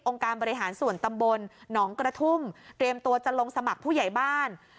การบริหารส่วนตำบลหนองกระทุ่มเตรียมตัวจะลงสมัครผู้ใหญ่บ้าน